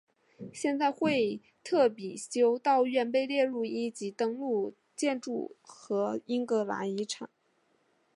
现在惠特比修道院被列入一级登录建筑和英格兰遗产。